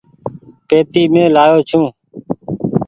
پيتي مين لآيو ڇون۔